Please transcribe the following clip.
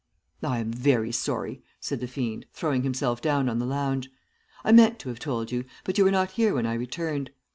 "'I am very sorry,' said the fiend, throwing himself down on the lounge. 'I meant to have told you, but you were not here when I returned.